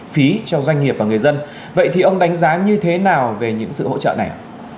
phí cho doanh nghiệp và người dân vậy thì ông đánh giá như thế nào về những sự hỗ trợ này